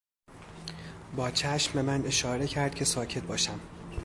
با چشم به من اشاره کرد که ساکت باشم.